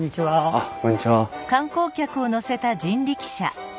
あっこんにちは。